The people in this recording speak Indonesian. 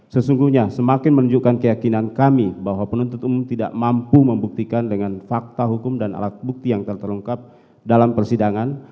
sesungguhnya semakin menunjukkan keyakinan kami bahwa penuntut umum tidak mampu membuktikan dengan fakta hukum dan alat bukti yang terterungkap dalam persidangan